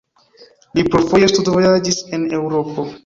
Li plurfoje studvojaĝis en Eŭropo.